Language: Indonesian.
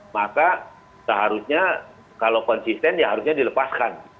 maka seharusnya kalau konsisten ya harusnya dilepaskan